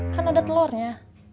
kan ada telurnya